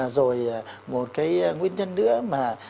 ờ rồi một cái nguyên nhân nữa mà